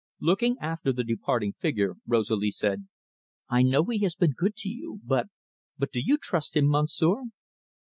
Looking after the departing figure, Rosalie said: "I know he has been good to you, but but do you trust him, Monsieur?"